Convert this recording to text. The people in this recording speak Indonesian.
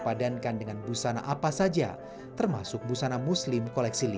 padankan dengan busana apa saja termasuk busana muslim koleksi lima